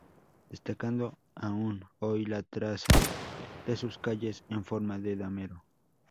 Destacando aún hoy la traza de sus calles, en forma de damero.